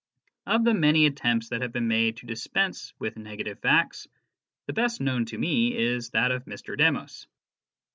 Of the many attempts that have been made to dispense with negative facts, the best known to me is that of Mr. Demos.